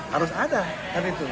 harus ada hari itu